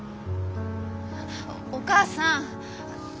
お母さん。